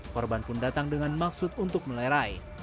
korban pun datang dengan maksud untuk melerai